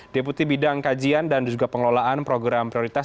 deputi bidang kajian dan juga pengelolaan program prioritas